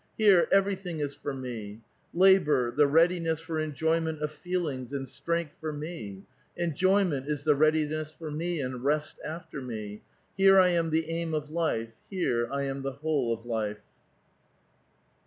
Here everything is forme ! Labor — the readiness for enjoyment of feelings and strength for me — enjoyment is the readiness for me and rest after me. Here I am the aim of life ; here I am the whole of life."